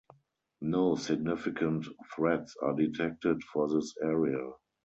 No significant threats are detected for this area.